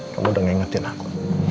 kamu udah ngingetin aku